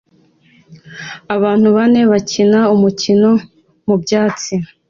Abantu bane bakina umukino mubyatsi